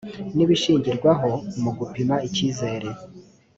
n ibishingirwaho mu gupima icyizere